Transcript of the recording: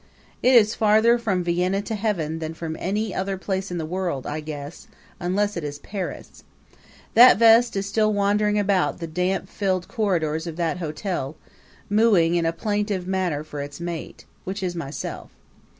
It is farther from Vienna to heaven than from any other place in the world, I guess unless it is Paris. That vest is still wandering about the damp filled corridors of that hotel, mooing in a plaintive manner for its mate which is myself.